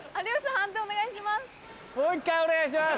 判定お願いします。